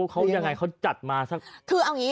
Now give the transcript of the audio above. เขายังไงเขาจัดมาซะ